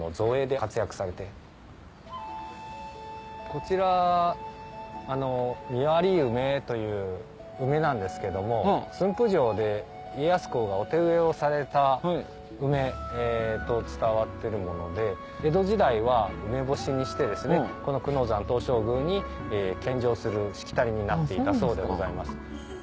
こちら実割梅という梅なんですけども駿府城で家康公がお手植えをされた梅と伝わってるもので江戸時代は梅干しにしてこの久能山東照宮に献上するしきたりになっていたそうでございます。